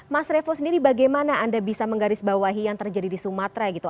mas revo sendiri bagaimana anda bisa menggarisbawahi yang terjadi di sumatera gitu